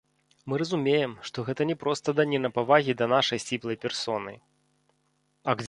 Мы разумеем, што гэта не проста даніна павагі да нашай сціплай персоны.